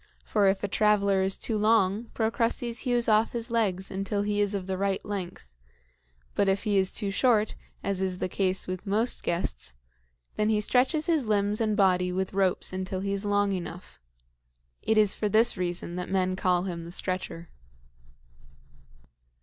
For if a traveler is too long, Procrustes hews off his legs until he is of the right length; but if he is too short, as is the case with most guests, then he stretches his limbs and body with ropes until he is long enough. It is for this reason that men call him the Stretcher."